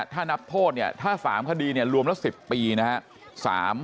ถ้านับโทษถ้า๓คดีรวมละ๑๐ปีนะครับ